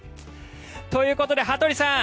ということで、羽鳥さん